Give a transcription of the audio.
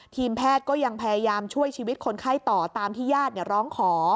ทีมแพทย์ก็ยังพยายามช่วยชีวิตคนไข้ต่อตามที่ญาติร้องขอ